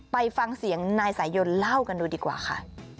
ไปฟังเสียงนายสายยนเล่ากันดูดีกว่าค่ะ